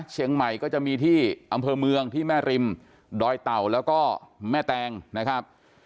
เชียงใหม่ก็จะมีที่อำเภอเมืองที่แม่ริมดอยเต่าแล้วก็แม่แตงนะครับ